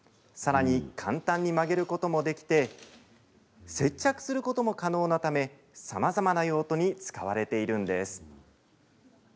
簡単に曲げることもできて接着することも可能なためさまざまな用途に使われているんです。